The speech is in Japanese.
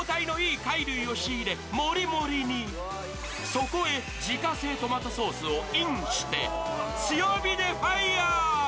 そこへ自家製トマトソースをインして、強火でファイア！